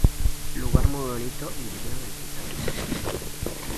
Lugar muy bonito y digno de visitar.